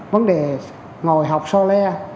vấn đề ngồi học so le